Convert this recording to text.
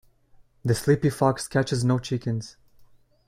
The sleepy fox catches no chickens.